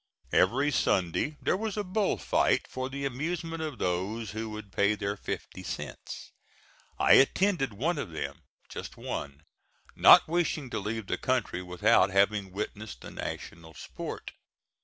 Every Sunday there was a bull fight for the amusement of those who would pay their fifty cents. I attended one of them just one not wishing to leave the country without having witnessed the national sport.